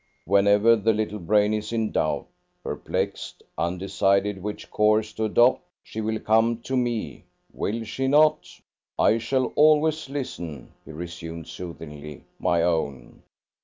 "Whenever the little brain is in doubt, perplexed, undecided which course to adopt, she will come to me, will she not? I shall always listen," he resumed, soothingly. "My own!